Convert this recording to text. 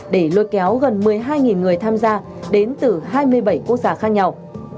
để lôi kéo gần một mươi hai người tham gia đến từ hai mươi bảy quốc gia khác nhau